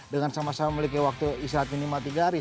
dengan sama sama memiliki waktu istirahat minimal tiga hari